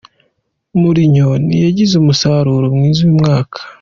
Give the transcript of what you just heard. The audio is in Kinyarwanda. Mourinho ntiyagize umusaruro mwiza uyu mwaka.